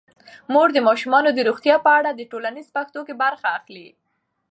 مور د ماشومانو د روغتیا په اړه د ټولنیزو پیښو کې برخه اخلي.